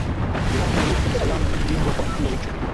iwapo urusi ni salamu kwa kujengwa kwa kituo hicho